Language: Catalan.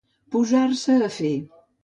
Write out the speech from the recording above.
Posar-se a fer.